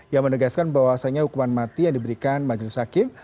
yang menegaskan bahwasannya hukuman mati yang diberikan majelis hakim